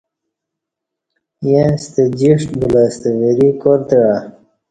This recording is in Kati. ییں ستہ جِیݜٹ بُولہ ستہ وری کار تعہ